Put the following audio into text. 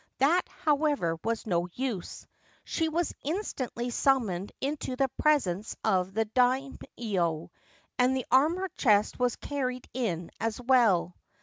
That, however, was no use. She was instantly summoned into the presence of the Daimio, and the armour chest was carried in as well.